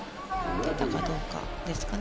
出たかどうかですね。